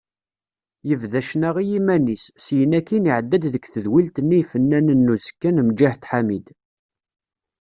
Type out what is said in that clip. Yebda ccna i yiman-is, syin akkin iɛedda-d deg tedwilt-nni Ifennanen n uzekka n Mǧahed Ḥamid.